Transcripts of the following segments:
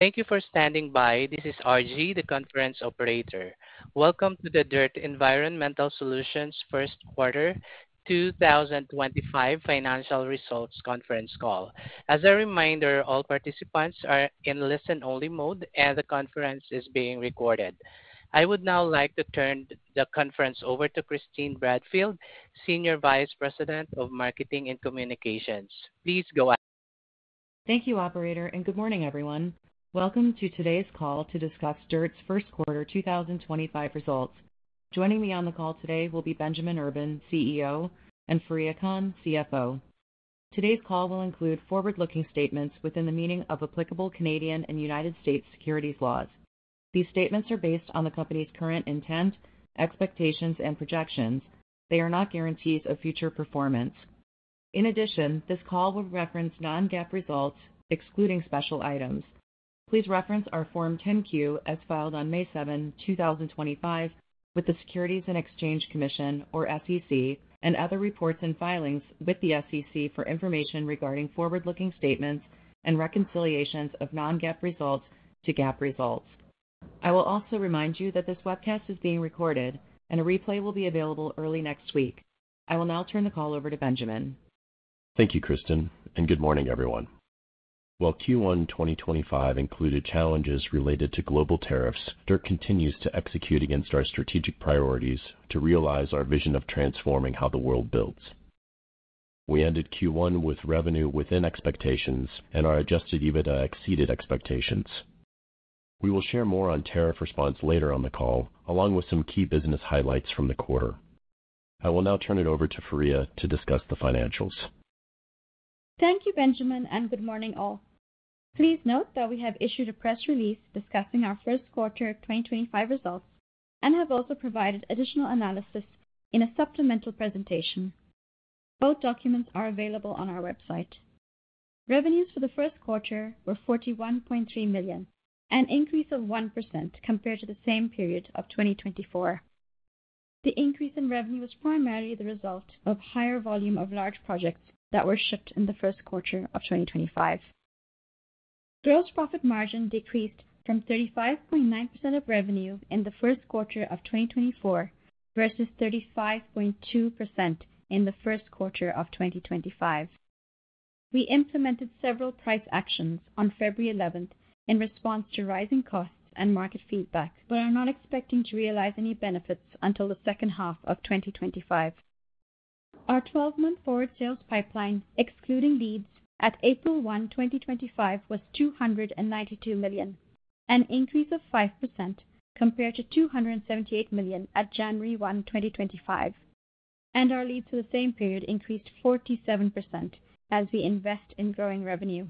Thank you for standing by. This is RG, the conference operator. Welcome to the DIRTT Environmental Solutions first quarter 2025 financial results conference call. As a reminder, all participants are in listen-only mode, and the conference is being recorded. I would now like to turn the conference over to Kristin Bradfield, Senior Vice President of Marketing and Communications. Please go ahead. Thank you, Operator, and good morning, everyone. Welcome to today's call to discuss DIRTT's First Quarter 2025 results. Joining me on the call today will be Benjamin Urban, CEO, and Fareeha Khan, CFO. Today's call will include forward-looking statements within the meaning of applicable Canadian and U.S. securities laws. These statements are based on the company's current intent, expectations, and projections. They are not guarantees of future performance. In addition, this call will reference non-GAAP results, excluding special items. Please reference our Form 10-Q as filed on May 7, 2025, with the Securities and Exchange Commission, or SEC, and other reports and filings with the SEC for information regarding forward-looking statements and reconciliations of non-GAAP results to GAAP results. I will also remind you that this webcast is being recorded, and a replay will be available early next week. I will now turn the call over to Benjamin. Thank you, Kristin, and good morning, everyone. While Q1 2025 included challenges related to global tariffs, DIRTT continues to execute against our strategic priorities to realize our vision of transforming how the world builds. We ended Q1 with revenue within expectations and our adjusted EBITDA exceeded expectations. We will share more on tariff response later on the call, along with some key business highlights from the quarter. I will now turn it over to Fareeha to discuss the financials. Thank you, Benjamin, and good morning, all. Please note that we have issued a press release discussing our first quarter 2025 results and have also provided additional analysis in a supplemental presentation. Both documents are available on our website. Revenues for the first quarter were $41.3 million, an increase of 1% compared to the same period of 2024. The increase in revenue was primarily the result of higher volume of large projects that were shipped in the first quarter of 2025. Gross profit margin decreased from 35.9% of revenue in the first quarter of 2024 versus 35.2% in the first quarter of 2025. We implemented several price actions on February 11 in response to rising costs and market feedback, but are not expecting to realize any benefits until the second half of 2025. Our 12-month forward sales pipeline, excluding leads, at April 1, 2025, was $292 million, an increase of 5% compared to $278 million at January 1, 2025. Our leads for the same period increased 47% as we invest in growing revenue.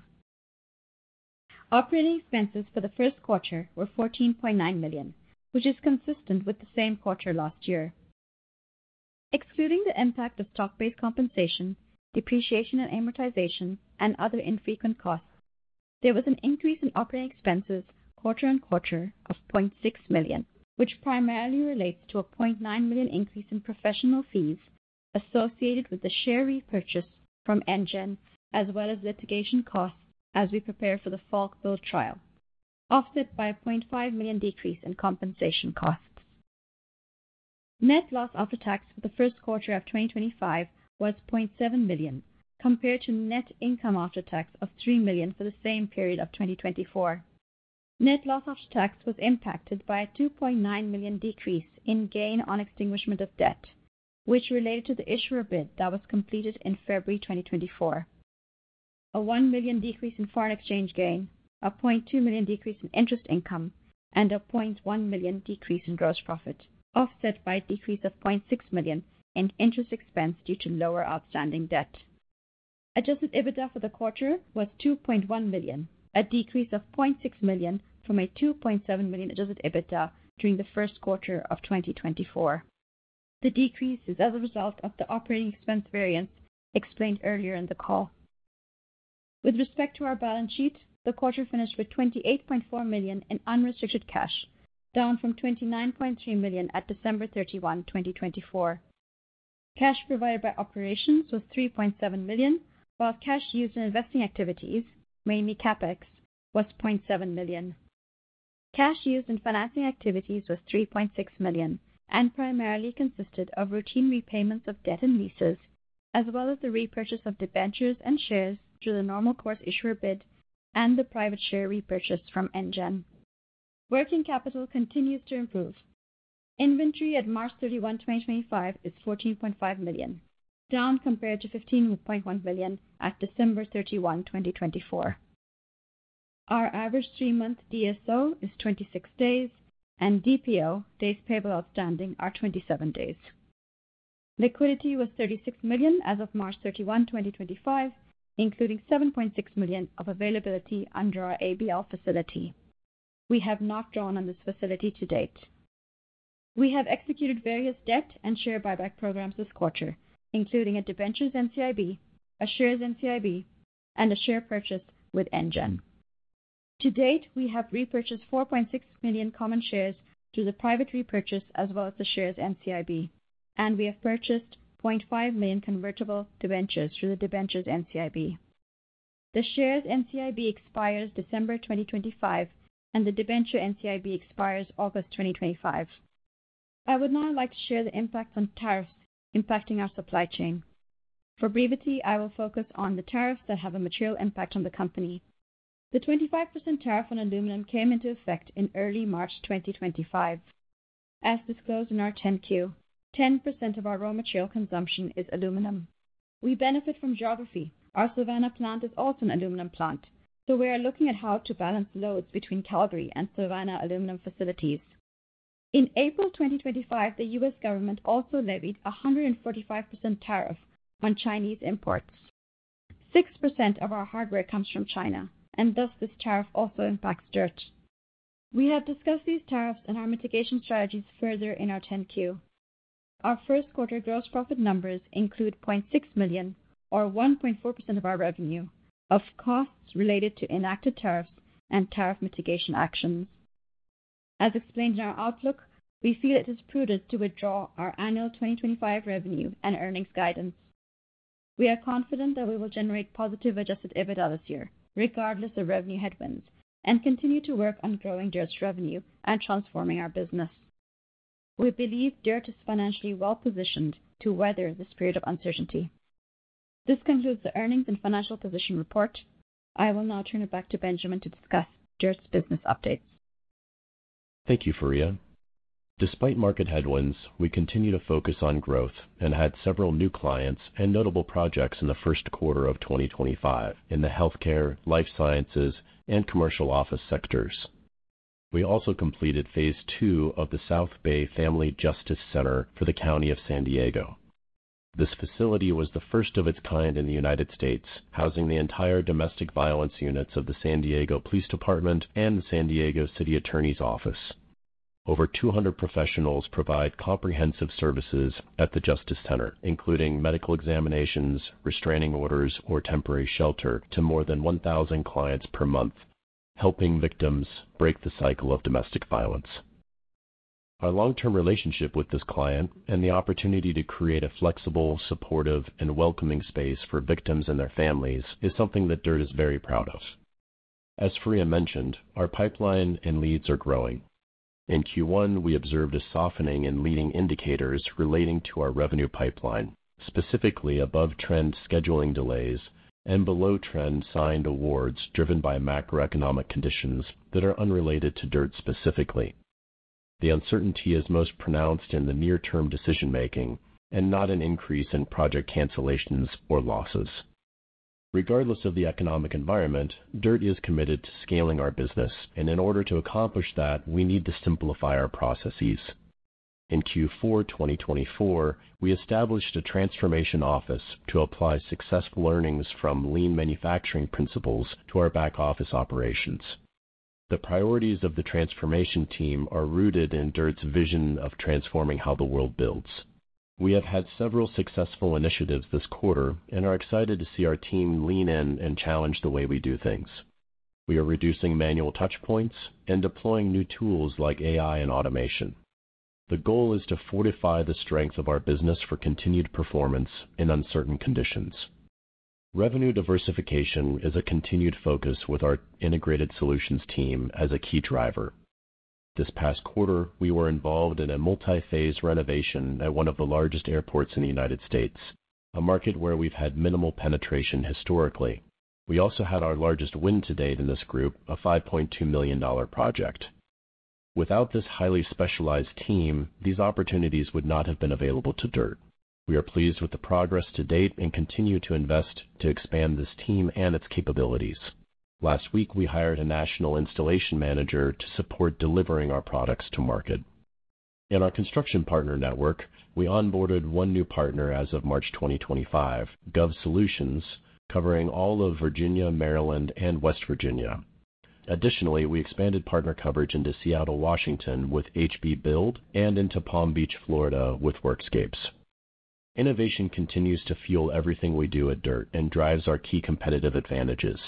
Operating expenses for the first quarter were $14.9 million, which is consistent with the same quarter last year. Excluding the impact of stock-based compensation, depreciation and amortization, and other infrequent costs, there was an increase in operating expenses quarter on quarter of $0.6 million, which primarily relates to a $0.9 million increase in professional fees associated with the share repurchase from Engen, as well as litigation costs as we prepare for the Falk Bill trial, offset by a $0.5 million decrease in compensation costs. Net loss after tax for the first quarter of 2025 was $0.7 million compared to net income after tax of $3 million for the same period of 2024. Net loss after tax was impacted by a $2.9 million decrease in gain on extinguishment of debt, which related to the issuer bid that was completed in February 2024. A $1 million decrease in foreign exchange gain, a $0.2 million decrease in interest income, and a $0.1 million decrease in gross profit, offset by a decrease of $0.6 million in interest expense due to lower outstanding debt. Adjusted EBITDA for the quarter was $2.1 million, a decrease of $0.6 million from a $2.7 million adjusted EBITDA during the first quarter of 2024. The decrease is as a result of the operating expense variance explained earlier in the call. With respect to our balance sheet, the quarter finished with $28.4 million in unrestricted cash, down from $29.3 million at December 31, 2024. Cash provided by operations was $3.7 million, while cash used in investing activities, mainly CapEx, was $0.7 million. Cash used in financing activities was $3.6 million and primarily consisted of routine repayments of debt and leases, as well as the repurchase of debentures and shares through the normal course issuer bid and the private share repurchase from Engen. Working capital continues to improve. Inventory at March 31, 2025, is $14.5 million, down compared to $15.1 million at December 31, 2024. Our average three-month DSO is 26 days, and DPO, Days Payable Outstanding, are 27 days. Liquidity was $36 million as of March 31, 2025, including $7.6 million of availability under our ABL facility. We have not drawn on this facility to date. We have executed various debt and share buyback programs this quarter, including a debentures NCIB, a shares NCIB, and a share purchase with Engen. To date, we have repurchased 4.6 million common shares through the private repurchase as well as the shares NCIB, and we have purchased 0.5 million convertible debentures through the debentures NCIB. The shares NCIB expires December 2025, and the debenture NCIB expires August 2025. I would now like to share the impact on tariffs impacting our supply chain. For brevity, I will focus on the tariffs that have a material impact on the company. The 25% tariff on aluminum came into effect in early March 2025. As disclosed in our 10Q, 10% of our raw material consumption is aluminum. We benefit from geography. Our Savannah plant is also an aluminum plant, so we are looking at how to balance loads between Calgary and Savannah aluminum facilities. In April 2025, the U.S. government also levied a 145% tariff on Chinese imports. 6% of our hardware comes from China, and thus this tariff also impacts DIRTT. We have discussed these tariffs and our mitigation strategies further in our 10Q. Our first quarter gross profit numbers include $0.6 million, or 1.4% of our revenue, of costs related to enacted tariffs and tariff mitigation actions. As explained in our outlook, we feel it is prudent to withdraw our annual 2025 revenue and earnings guidance. We are confident that we will generate positive adjusted EBITDA this year, regardless of revenue headwinds, and continue to work on growing DIRTT's revenue and transforming our business. We believe DIRTT is financially well-positioned to weather this period of uncertainty. This concludes the earnings and financial position report. I will now turn it back to Benjamin to discuss DIRTT's business updates. Thank you, Fareeha. Despite market headwinds, we continue to focus on growth and had several new clients and notable projects in the first quarter of 2025 in the healthcare, life sciences, and commercial office sectors. We also completed phase two of the South Bay Family Justice Center for the County of San Diego. This facility was the first of its kind in the United States, housing the entire domestic violence units of the San Diego Police Department and the San Diego City Attorney's Office. Over 200 professionals provide comprehensive services at the Justice Center, including medical examinations, restraining orders, or temporary shelter to more than 1,000 clients per month, helping victims break the cycle of domestic violence. Our long-term relationship with this client and the opportunity to create a flexible, supportive, and welcoming space for victims and their families is something that DIRTT is very proud of. As Fareeha mentioned, our pipeline and leads are growing. In Q1, we observed a softening in leading indicators relating to our revenue pipeline, specifically above-trend scheduling delays and below-trend signed awards driven by macroeconomic conditions that are unrelated to DIRTT specifically. The uncertainty is most pronounced in the near-term decision-making and not an increase in project cancellations or losses. Regardless of the economic environment, DIRTT is committed to scaling our business, and in order to accomplish that, we need to simplify our processes. In Q4 2024, we established a transformation office to apply successful earnings from lean manufacturing principles to our back-office operations. The priorities of the transformation team are rooted in DIRTT's vision of transforming how the world builds. We have had several successful initiatives this quarter and are excited to see our team lean in and challenge the way we do things. We are reducing manual touchpoints and deploying new tools like AI and automation. The goal is to fortify the strength of our business for continued performance in uncertain conditions. Revenue diversification is a continued focus with our integrated solutions team as a key driver. This past quarter, we were involved in a multi-phase renovation at one of the largest airports in the U.S., a market where we've had minimal penetration historically. We also had our largest win to date in this group, a $5.2 million project. Without this highly specialized team, these opportunities would not have been available to DIRTT. We are pleased with the progress to date and continue to invest to expand this team and its capabilities. Last week, we hired a national installation manager to support delivering our products to market. In our construction partner network, we onboarded one new partner as of March 2025, GOV Solutions, covering all of Virginia, Maryland, and West Virginia. Additionally, we expanded partner coverage into Seattle, Washington, with HB Build, and into Palm Beach, Florida, with Workscapes. Innovation continues to fuel everything we do at DIRTT and drives our key competitive advantages.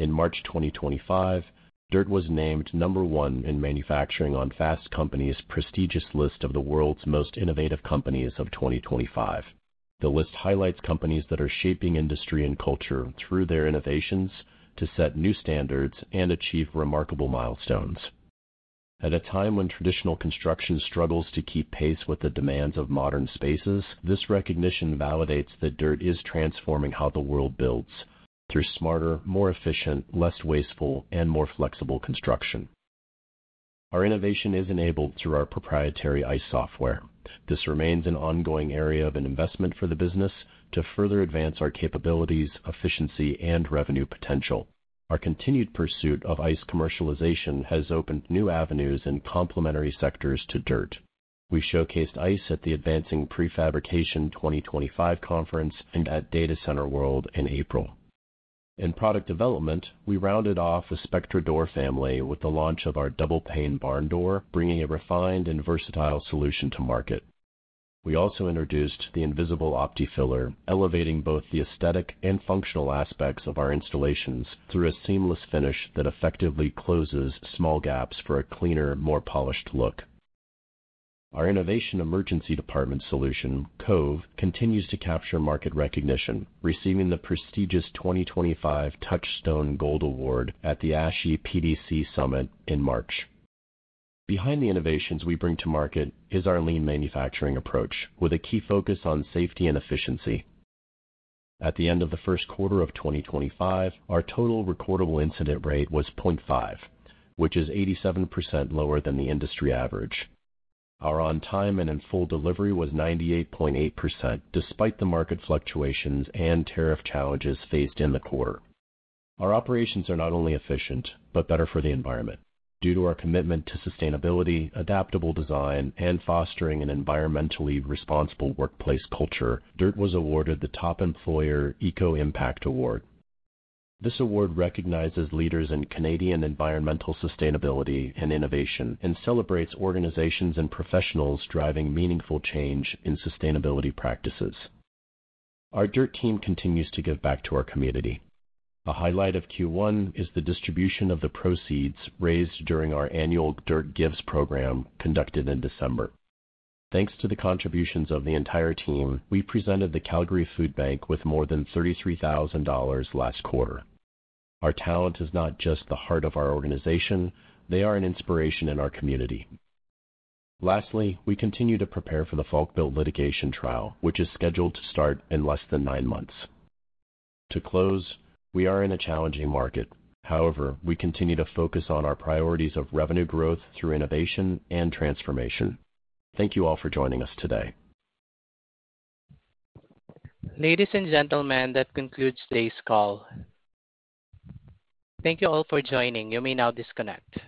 In March 2025, DIRTT was named number one in manufacturing on Fast Company's prestigious list of the world's most innovative companies of 2025. The list highlights companies that are shaping industry and culture through their innovations to set new standards and achieve remarkable milestones. At a time when traditional construction struggles to keep pace with the demands of modern spaces, this recognition validates that DIRTT is transforming how the world builds through smarter, more efficient, less wasteful, and more flexible construction. Our innovation is enabled through our proprietary ICE software. This remains an ongoing area of investment for the business to further advance our capabilities, efficiency, and revenue potential. Our continued pursuit of ICE commercialization has opened new avenues in complementary sectors to DIRTT. We showcased ICE at the Advancing Prefabrication 2025 conference and at Data Center World in April. In product development, we rounded off the Spectra Door family with the launch of our double-pane barn door, bringing a refined and versatile solution to market. We also introduced the Invisible OptiFiller, elevating both the aesthetic and functional aspects of our installations through a seamless finish that effectively closes small gaps for a cleaner, more polished look. Our innovation emergency department solution, COVE, continues to capture market recognition, receiving the prestigious 2025 Touchstone Gold Award at the ASHI PDC Summit in March. Behind the innovations we bring to market is our lean manufacturing approach, with a key focus on safety and efficiency. At the end of the first quarter of 2025, our total recordable incident rate was 0.5, which is 87% lower than the industry average. Our on-time and in-full delivery was 98.8%, despite the market fluctuations and tariff challenges faced in the quarter. Our operations are not only efficient but better for the environment. Due to our commitment to sustainability, adaptable design, and fostering an environmentally responsible workplace culture, DIRTT was awarded the Top Employer Eco Impact Award. This award recognizes leaders in Canadian environmental sustainability and innovation and celebrates organizations and professionals driving meaningful change in sustainability practices. Our DIRTT team continues to give back to our community. A highlight of Q1 is the distribution of the proceeds raised during our annual DIRTT Gives program conducted in December. Thanks to the contributions of the entire team, we presented the Calgary Food Bank with more than $33,000 last quarter. Our talent is not just the heart of our organization; they are an inspiration in our community. Lastly, we continue to prepare for the Falk Bill litigation trial, which is scheduled to start in less than nine months. To close, we are in a challenging market. However, we continue to focus on our priorities of revenue growth through innovation and transformation. Thank you all for joining us today. Ladies and gentlemen, that concludes today's call. Thank you all for joining. You may now disconnect.